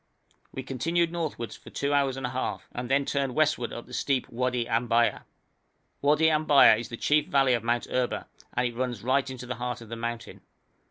We continued northward for two hours and a half, and then turned westward up the steep Wadi Ambaya. Wadi Ambaya is the chief valley of Mount Erba, and it runs right into the heart of the mountain.